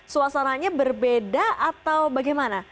suasananya berbeda atau bagaimana